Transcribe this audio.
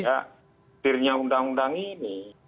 tidak dirinya undang undang ini